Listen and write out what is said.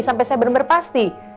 sampai saya benar benar pasti